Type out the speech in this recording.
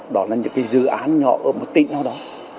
đó là những cái dự án nhỏ ở một tỉnh nào đó